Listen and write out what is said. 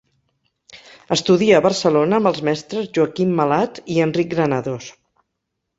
Estudia a Barcelona amb els mestres Joaquim Malats i Enric Granados.